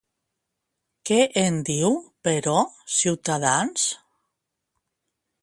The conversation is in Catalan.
Què en diu, però, Ciutadans?